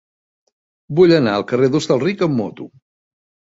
Vull anar al carrer d'Hostalric amb moto.